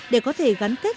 để có thể gắn kết